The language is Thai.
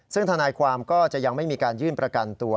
ซึ่งทนายความก็จะยังไม่มีการยื่นประกันตัว